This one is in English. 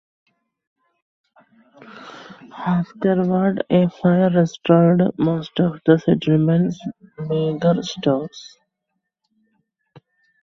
Afterward, a fire destroyed most of the settlement's meager stores.